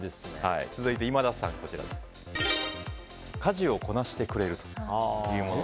続いて今田さんは家事をこなしてくれるというもの。